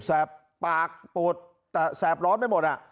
แซบปากปลูดแซบร้อนไปหมด